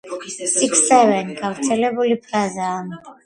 six seven გავრცელებული ფრაზაა